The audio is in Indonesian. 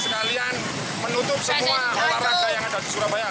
sekalian menutup semua olahraga yang ada di surabaya